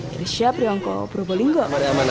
dari siap riongko provolinggo